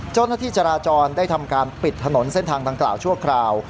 เจ้าหน้าที่จราจรได้ทำการปิดถนนเส้นทางดังกล่าวชั่วคราว